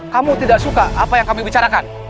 kamu tidak suka apa yang kami bicarakan